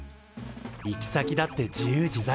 行き先だって自由自在。